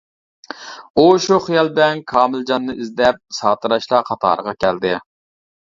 ئۇ شۇ خىيال بىلەن كامىلجاننى ئىزدەپ ساتىراشلار قاتارىغا كەلدى.